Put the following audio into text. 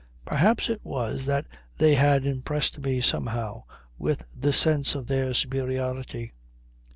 Perhaps it was that they had impressed me somehow with the sense of their superiority.